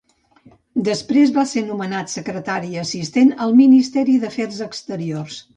Després va ser nomenat Secretari assistent al Ministeri d'Afers Exteriors.